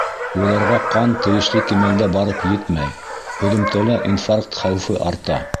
Уларға ҡан тейешле кимәлдә барып етмәй, һөҙөмтәлә инфаркт хәүефе арта.